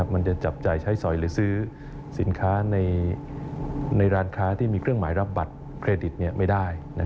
มันจะจับจ่ายใช้สอยหรือซื้อสินค้าในร้านค้าที่มีเครื่องหมายรับบัตรเครดิตไม่ได้